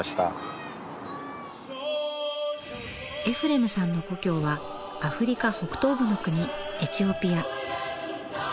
エフレムさんの故郷はアフリカ北東部の国エチオピア。